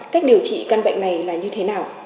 cách điều trị căn bệnh này là như thế nào